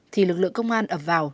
thì lực lượng công an ập vào